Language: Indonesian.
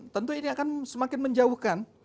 tentu ini akan semakin menjauhkan